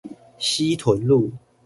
西屯路